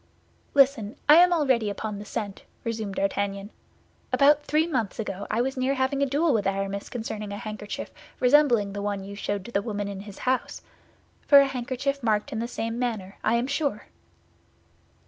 "Listen; I am already upon the scent," resumed D'Artagnan. "About three months ago I was near having a duel with Aramis concerning a handkerchief resembling the one you showed to the woman in his house—for a handkerchief marked in the same manner, I am sure."